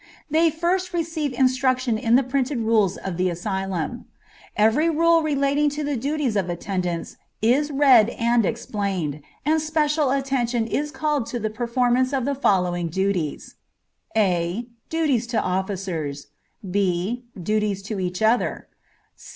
They first receive instruction in the printed rules of the asylum. Every rule relating to the duties of attendants is read and explained, and special attention is called to the performance of the following duties: a. Duties to officers. b. Duties to each other.